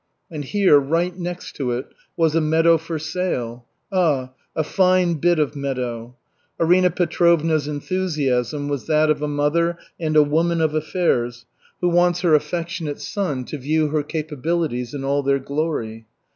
And here, right next to it, was a meadow for sale, ah, a fine bit of meadow. Arina Petrovna's enthusiasm was that of a mother and a woman of affairs who wants her affectionate son to view her capabilities in all their glory.